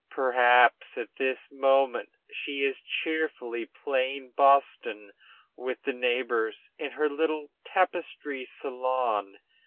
Perhaps at this moment she is cheerfully playing boston with the neighbors in her little tapestry salon.